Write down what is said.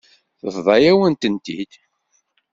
Tebḍa-yawen-tent-id.